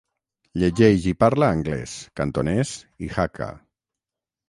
Llegeix i parla anglès, cantonès i hakka.